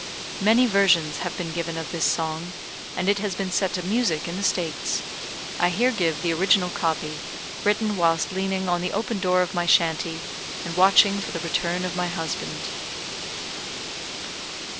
[Many versions have been given of this song, and it has been set to music in the States. I here give the original copy, written whilst leaning on the open door of my shanty, and watching for the return of my husband.